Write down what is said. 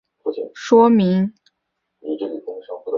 我一定向你说明